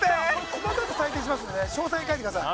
細かく採点しますので詳細に描いてください。